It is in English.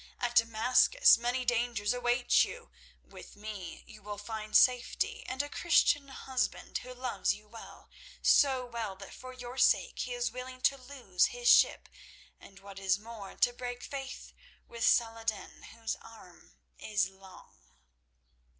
At Damascus many dangers await you; with me you will find safety and a Christian husband who loves you well—so well that for your sake he is willing to lose his ship and, what is more, to break faith with Saladin, whose arm is long."